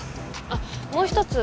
あっもう一つ